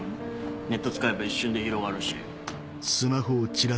ネット使えば一瞬で広がるし。